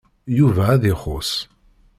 Yuba ad ixuṣ.